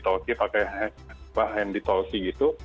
tauki tauki pakai hand to tauki gitu